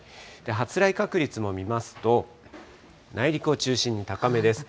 発雷確率も見ますと、内陸を中心に高めです。